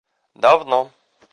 давно